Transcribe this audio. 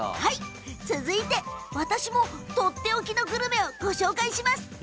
続いて私もとっておきのグルメをご紹介します。